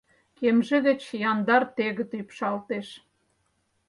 Кемже гыч яндар тегыт ӱпшалтеш.